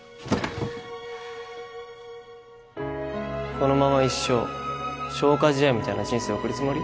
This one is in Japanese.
このまま一生消化試合みたいな人生送るつもり？